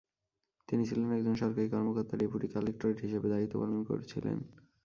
তিনি ছিলেন একজন সরকারি কর্মকর্তা, ডেপুটী কালেকটরেট হিসাবে দায়িত্ব পালন করেছিলেন।